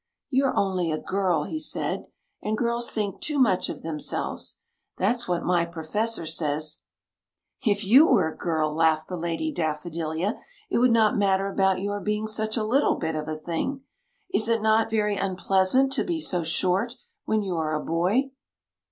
"You're only a girl/' he said; "and girls think too much of themselves. That 's what my Professor says !"" li you were a girl/' laughed the Lady Daf fodilia, " it would not matter about your being such a little bit of a thing! Is it not very un pleasant to be so short, when you are a boy